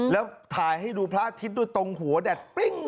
แล้วถ่ายให้ดูพระอาทิตย์ด้วยตรงหัวแดดปิ้ง